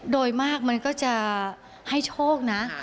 โดยมากมันก็จะให้โชคนะ